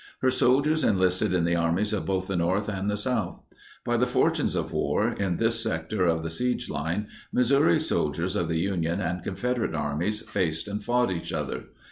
Her soldiers enlisted in the armies of both the North and the South. By the fortunes of war, in this sector of the siege line, Missouri soldiers of the Union and Confederate armies faced and fought each other.